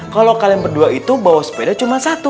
kalau kalian berdua itu bawa sepeda cuma satu